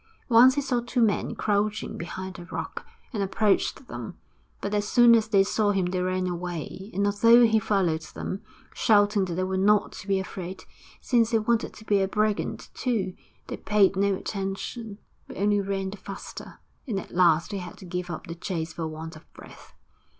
Once he saw two men crouching behind a rock, and approached them; but as soon as they saw him they ran away, and although he followed them, shouting that they were not to be afraid since he wanted to be a brigand too, they paid no attention, but only ran the faster, and at last he had to give up the chase for want of breath.